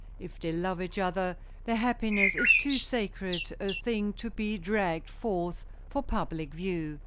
If they love each other, their happiness is too sacred a thing to be dragged forth for public view.